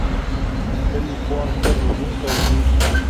ښه لیکوال ښه روزونکی وي.